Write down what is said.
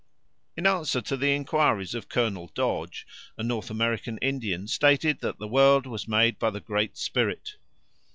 In answer to the enquiries of Colonel Dodge, a North American Indian stated that the world was made by the Great Spirit.